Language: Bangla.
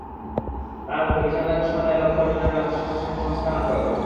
তাঁর মতে, বিশাল রাজস্ব আদায়ের লক্ষ্য অর্জনে রাজস্ব প্রশাসনে সংস্কার আনতে হবে।